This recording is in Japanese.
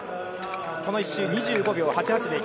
この１周、２５秒８８。